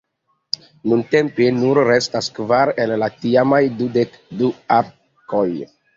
Nuntempe nur restas kvar el la tiamaj dudek du arkoj.